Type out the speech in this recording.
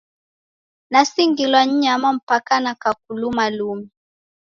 Nasingilwa ni nyama mpaka nikakuluma lumi!